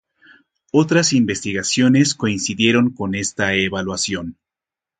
Otras investigaciones coincidieron con esta evaluación.